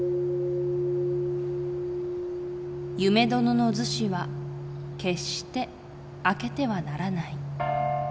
「夢殿の厨子は決して開けてはならない。